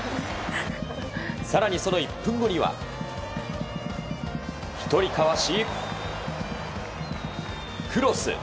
更に、その１分後には１人かわし、クロス！